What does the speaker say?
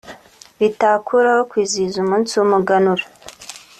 bitakuraho kwizihiza umunsi w’umuganura